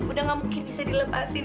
udah gak mungkin bisa dilepasin